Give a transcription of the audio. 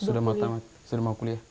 sudah mau kuliah